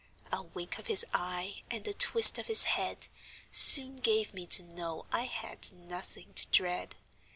A wink of his eye, and a twist of his head, Soon gave me to know I had nothing to dread.